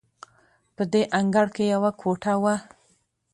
په دې انګړ کې یوه کوټه وه.